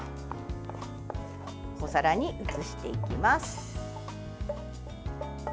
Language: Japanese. お皿に移していきます。